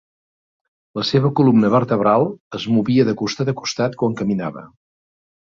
La seva columna vertebral es movia de costat a costat quan caminava.